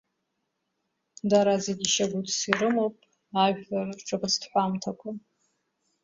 Дара зегьы шьагәыҭс ирымоуп ажәлар рҿаԥыцтә ҳәамҭақәа.